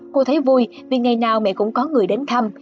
cô thấy vui vì ngày nào mẹ cũng có người đến thăm